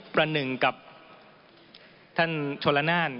ประหนึ่งกับท่านชนละนาน